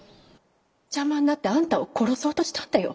邪魔になってあんたを殺そうとしたんだよ。